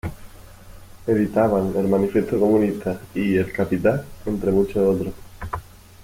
Editaban "El Manifiesto Comunista" y "El Capital", entre muchos otros.